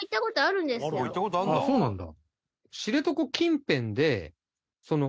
あっそうなんだ。